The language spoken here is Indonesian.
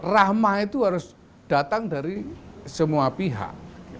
rahmah itu harus datang dari semua pihak